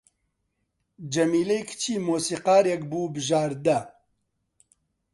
جەمیلەی کچی مۆسیقارێک بوو بژاردە